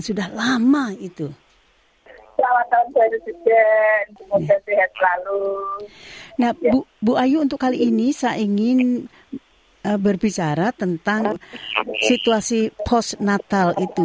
saya ingin berbicara tentang situasi post natal itu